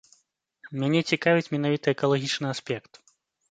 Мяне цікавіць менавіта экалагічны аспект.